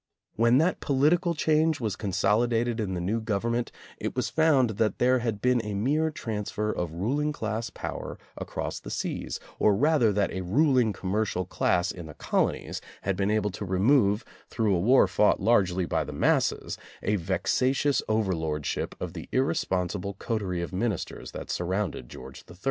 When that political change was consolidated in the new government, it was found that there had been a mere transfer of ruling class power across the seas, or rather that a ruling commercial class in the colonies had been able to remove through a war fought largely by the masses a vexatious over lordship of the" irresponsible coterie of minis ters that surrounded George III.